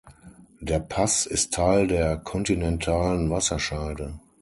Der Pass ist Teil der Kontinentalen Wasserscheide.